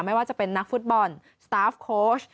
ไม่ว่าจะเป็นนักฟุตบอลสตาฟโค้ช